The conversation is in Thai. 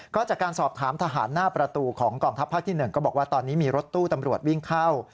ก็จากการสอบถามทหารหน้าประตูของกองทัพภาคที่๑ก็บอกว่าตอนนี้มีรถตู้ตำรวจวิ่งเข้า